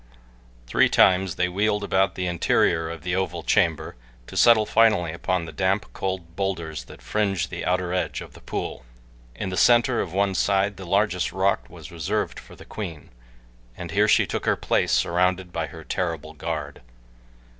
Three times they wheeled about the interior of the oval chamber, to settle finally upon the damp, cold bowlders that fringe the outer edge of the pool. In the center of one side the largest rock was reserved for the queen, and here she took her place surrounded by her terrible guard.